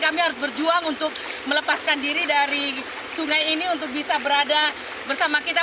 kami harus berjuang untuk melepaskan diri dari sungai ini untuk bisa berada bersama kita